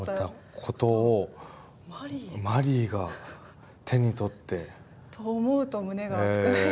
ことをマリーが手に取って。と思うと胸が熱くなります。